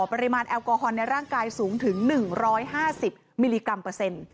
ปริมาณแอลกอฮอลในร่างกายสูงถึง๑๕๐มิลลิกรัมเปอร์เซ็นต์